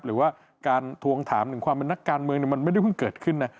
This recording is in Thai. หรือว่าการทวงถามถึงความเป็นนักการเมืองมันไม่ได้เพิ่งเกิดขึ้นนะ